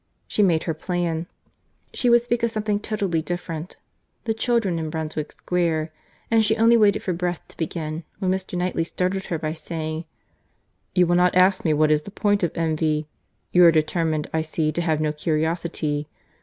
She made her plan; she would speak of something totally different—the children in Brunswick Square; and she only waited for breath to begin, when Mr. Knightley startled her, by saying, "You will not ask me what is the point of envy.—You are determined, I see, to have no curiosity.